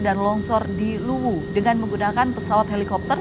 dan longsor di luwu dengan menggunakan pesawat helikopter